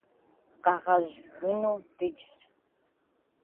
Къэгъэжь гыну дыджщ.